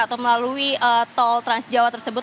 atau melalui tol trans jawa tersebut